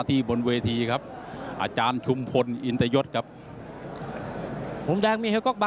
จบยกไหนต้องติดตามวิทยามา